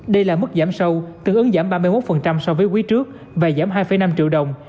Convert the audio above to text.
đây là mức giảm sâu tương ứng giảm ba mươi một so với quý trước và giảm hai năm triệu đồng